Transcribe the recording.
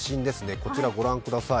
こちらご覧ください。